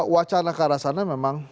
wacana ke arah sana memang